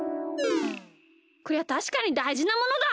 こりゃたしかにだいじなものだ！